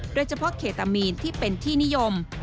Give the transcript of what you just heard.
โดยเฉพาะเคตามีนที่เป็นที่นิยม